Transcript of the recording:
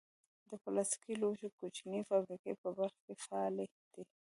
د پلاستیکي لوښو کوچنۍ فابریکې په بلخ کې فعالې دي.